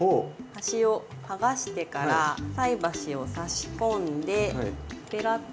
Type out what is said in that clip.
端を剥がしてから菜箸を差し込んでペラッ。